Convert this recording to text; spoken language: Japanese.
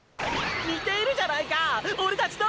似ているじゃないかオレたちと！！